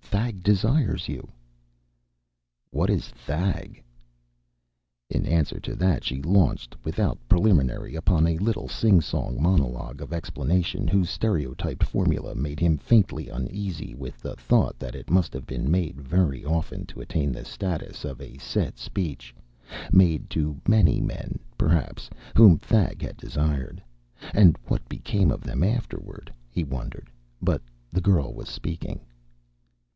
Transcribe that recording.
Thag desires you." "What is Thag?" In answer to that she launched without preliminary upon a little singsong monolog of explanation whose stereotyped formula made him faintly uneasy with the thought that it must have been made very often to attain the status of a set speech; made to many men, perhaps, whom Thag had desired. And what became of them afterward? he wondered. But the girl was speaking.